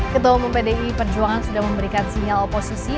ketua umum pdi perjuangan sudah memberikan sinyal oposisi